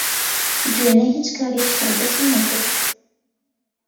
دوێنێ هیچ کارێکی تایبەتم نەکرد.